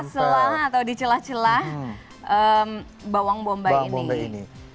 di sela sela atau di celah celah bawang bombay ini